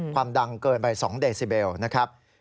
ความดังเกินไป๒เดซิเบลนะครับ